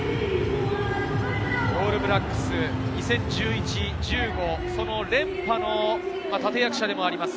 オールブラックス、２０１１、１５、連覇の立役者でもあります